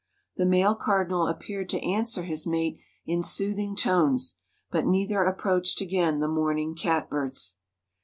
The male cardinal appeared to answer his mate in soothing tones, but neither approached again the mourning catbirds.